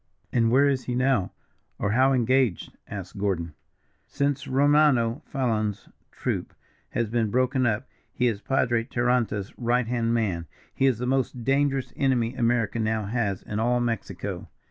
"And where is he now, or how engaged?" asked Gordon. "Since Romano Fallon's troop has been broken up, he is Padre Taranta's right hand man. He is the most dangerous enemy America now has in all Mexico."